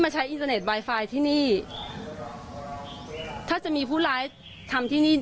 ใช้อินเทอร์เน็ตไวไฟที่นี่ถ้าจะมีผู้ร้ายทำที่นี่